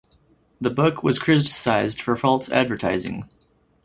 The book was criticized for false advertising.